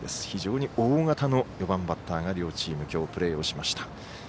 非常に大型の４番バッターが両チームきょう、プレーをしました。